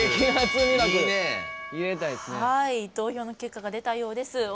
投票の結果が出たようです。